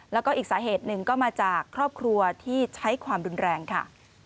แล้วก็อีกสาเหตุหนึ่งก็มาจากครอบครัวที่ใช้ความรุนแรงค่ะ